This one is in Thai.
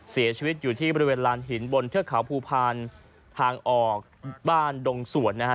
เสียชีวิตอยู่ที่บริเวณลานหินบนเทือกเขาภูพาลทางออกบ้านดงสวนนะฮะ